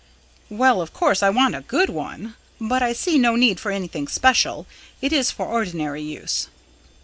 "Well, of course I want a good one. But I see no need for anything special. It is for ordinary use."